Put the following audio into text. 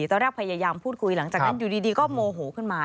ตอนแรกพยายามพูดคุยหลังจากนั้นอยู่ดีก็โมโหขึ้นมา